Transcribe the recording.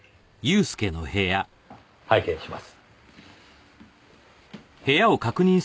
拝見します。